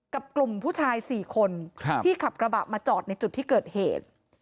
กลุ่มผู้ชาย๔คนที่ขับกระบะมาจอดในจุดที่เกิดเหตุ